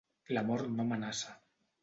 La mort no amenaça.